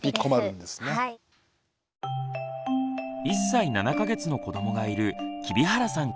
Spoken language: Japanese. １歳７か月の子どもがいる黍原さん